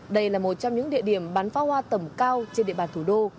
đây là một trong những địa điểm bắn pháo hoa tầm cao trên địa bàn thủ đô